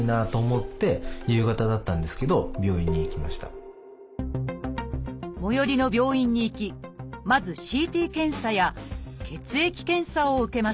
これじゃ最寄りの病院に行きまずＣＴ検査や血液検査を受けました